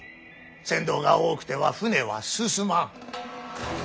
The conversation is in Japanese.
船頭が多くては船は進まん。